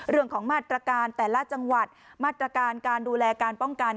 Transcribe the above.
เรื่องของมาตรการแต่ละจังหวัดมาตรการการดูแลการป้องกัน